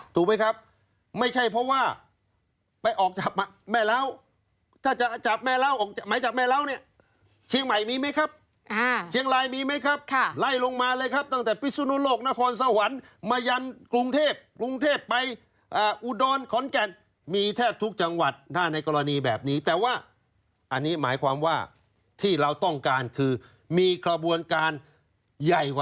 ถูกไหมครับไม่ใช่เพราะว่าไปออกจากแม่เล้าถ้าจะจับแม่เล้าออกหมายจับแม่เล้าเนี่ยเชียงใหม่มีไหมครับเชียงรายมีไหมครับไล่ลงมาเลยครับตั้งแต่พิสุนุโลกนครสวรรค์มายันกรุงเทพกรุงเทพไปอุดรขอนแก่นมีแทบทุกจังหวัดถ้าในกรณีแบบนี้แต่ว่าอันนี้หมายความว่าที่เราต้องการคือมีกระบวนการใหญ่กว่า